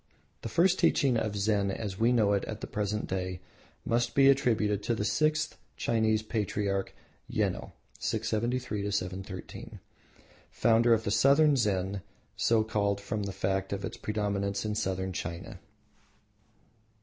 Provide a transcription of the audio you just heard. The first teaching of Zen as we know it at the present day must be attributed to the sixth Chinese patriarch Yeno(637 713), founder of Southern Zen, so called from the fact of its predominance in Southern China.